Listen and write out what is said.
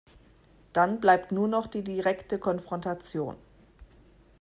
Dann bleibt nur noch die direkte Konfrontation.